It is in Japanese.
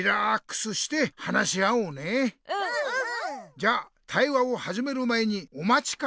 じゃ対話をはじめる前におまちかね